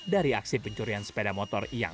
dari aksi pencurian sepeda motor yang